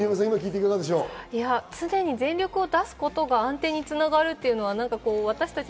常に全力を出すことが安定に繋がるということが私たち